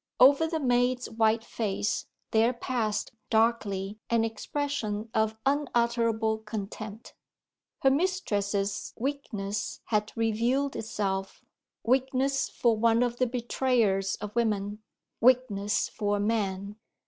Over the maid's white face there passed darkly an expression of unutterable contempt. Her mistress's weakness had revealed itself weakness for one of the betrayers of women; weakness for a man!